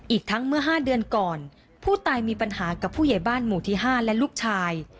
อีกทั้งเมื่อ๕เดือนก่อนผู้ตายมีปัญหากับผู้ใหญ่บ้านหมู่ที่๕และลูกชาย